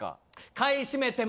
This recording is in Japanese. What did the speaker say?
買い占めても。